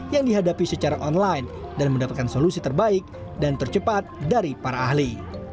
yang dihadapi secara online dan mendapatkan solusi terbaik dan tercepat dari para ahli